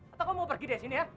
atau kamu mau pergi deh sini ya